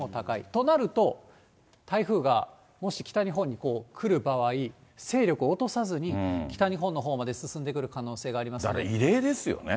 となると、台風がもし北日本に来る場合、勢力を落とさずに北日本のほうまで進んでくる可能性がありますのだから異例ですよね。